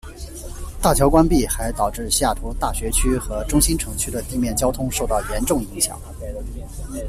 大桥关闭还导致西雅图大学区和中心城区的地面交通受到严重影响。